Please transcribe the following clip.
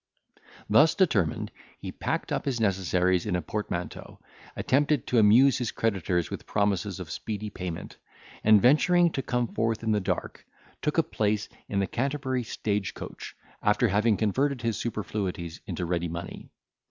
Thus determined, he packed up his necessaries in a portmanteau, attempted to amuse his creditors with promises of speedy payment, and, venturing to come forth in the dark, took a place in the Canterbury stage coach, after having converted his superfluities into ready money.